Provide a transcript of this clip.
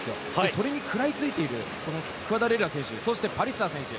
それに食らいついていくクアダレッラ選手そしてパリスター選手。